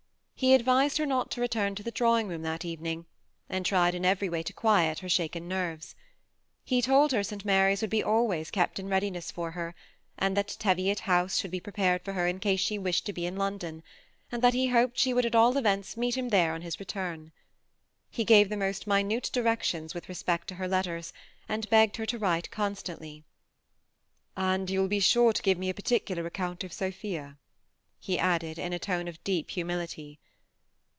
He advised her not to return to the drawing room that evening, and tried in every way to quiet her shaken nerves. He told her St Mary's would always be kept in readiness for her, and that Teviot House should be prepared for her in case she wished to be iu London ; and that he hoped she would at all events meet him there on his return. He gave the most minute directions with re spect to her letters, and begged her to write constantly ;^ and you will be sure to give me a particular account of Sophia," he added, in a tone of deep humility.